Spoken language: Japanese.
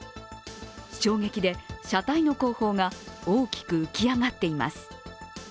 衝撃で車体の後方が大きく浮き上がっています。